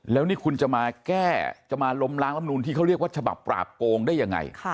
แล้วนี่คุณจะมาแก้จะมาล้มล้างลำนูนที่เขาเรียกว่าฉบับปราบโกงได้ยังไง